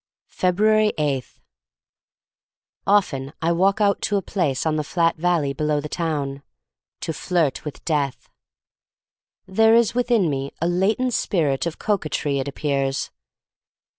f ebtuatis 6. OFTEN I walk out to a place on the flat valley below the town, to flirt with Death. There is within me a latent spirit of coquetry, it appears.